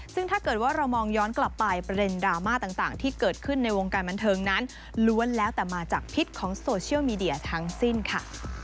ซึ่งถ้าเกิดว่าเรามองย้อนกลับไปประเด็นดราม่าต่างที่เกิดขึ้นในวงการบันเทิงนั้นล้วนแล้วแต่มาจากพิษของโซเชียลมีเดียทั้งสิ้นค่ะ